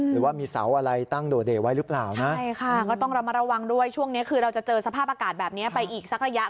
หรือว่ามีเสาอะไรตั้งโดเด่ไว้หรือเปล่านะใช่ค่ะก็ต้องระมัดระวังด้วยช่วงนี้คือเราจะเจอสภาพอากาศแบบนี้ไปอีกสักระยะ